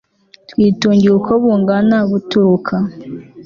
twitungiye uko bungana, buturuka